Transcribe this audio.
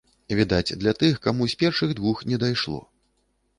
Відаць, для тых, каму з першых двух не дайшло.